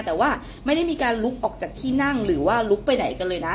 แต่ว่าไม่ได้มีการลุกออกจากที่นั่งหรือว่าลุกไปไหนกันเลยนะ